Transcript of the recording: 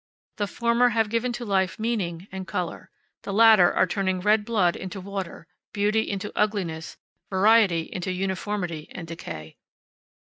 The former have given to life meaning and color; the latter are turning red blood into water, beauty into ugliness, variety into uniformity and decay.